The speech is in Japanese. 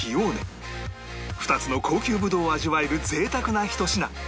２つの高級ぶどうを味わえる贅沢なひと品